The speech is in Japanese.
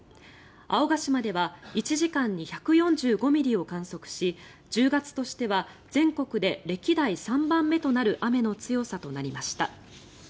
青ヶ島では１時間に１４５ミリを観測し１０月としては全国で歴代３番目となる雨の強さとなりました。